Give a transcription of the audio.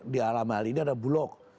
di alam hal ini ada bulog